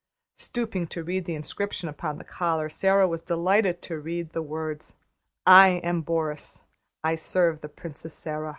Stooping to read the inscription upon the collar, Sara was delighted to read the words: "I am Boris; I serve the Princess Sara."